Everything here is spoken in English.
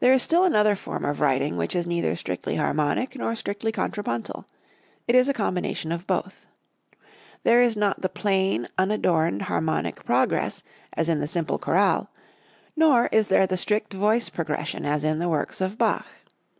There is still another form of writing which is neither strictly harmonic, nor strictly contrapuntal, it is a combination of both. There is not the plain unadorned harmonic progress as in the simple choral, nor is there the strict voice progression as in the works of Bach.